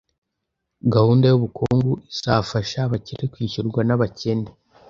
Gahunda yubukungu izafasha abakire kwishyurwa nabakene